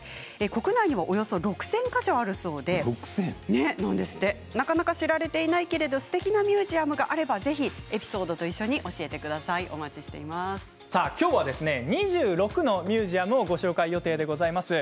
国内にはおよそ６０００か所あるそうでなかなか知られていないけれどすてきなミュージアムがあればぜひエピソードとともにきょうは２６のミュージアムをご紹介する予定です。